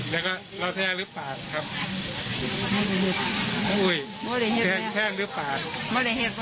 แล้วก็ทิ้งหัวปากได้รึเปล่าครับ